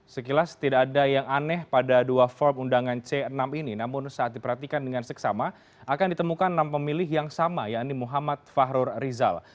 sekilas tidak ada yang aneh pada dua form undangan c enam ini namun saat diperhatikan dengan seksama akan ditemukan enam pemilih yang sama yakni muhammad fahrur rizal